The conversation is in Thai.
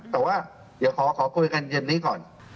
แต่ว่าขอคุยกันเย็นนี้ก่อน